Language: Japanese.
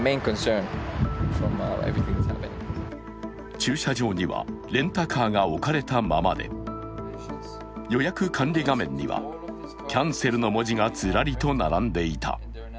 駐車場にはレンタカーが置かれたままで予約管理画面にはキャンセルの文字がずらりと並んでいた。